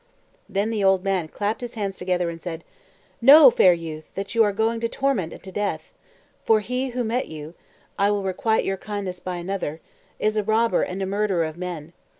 Then the old man clapped his hands together and cried: "Know, fair youth, that you are going to torment and to death, for he who met you (I will requite your kindness by another) is a robber and a murderer of men.